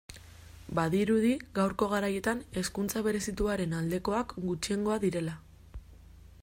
Badirudi gaurko garaietan hezkuntza berezituaren aldekoak gutxiengoa direla.